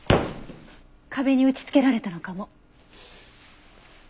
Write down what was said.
壁に打ち付けられたのかも。